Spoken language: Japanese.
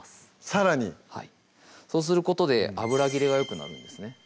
さらにそうすることで油切れがよくなるんですね